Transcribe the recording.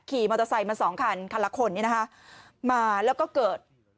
ขี่มอเตอร์ไซค์มาสองคันคันละคนเนี่ยนะคะมาแล้วก็เกิด